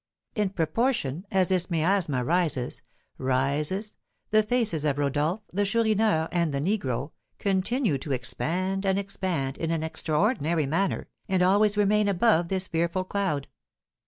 In proportion as this miasma rises rises, the faces of Rodolph, the Chourineur, and the negro continue to expand and expand in an extraordinary manner, and always remain above this fearful cloud.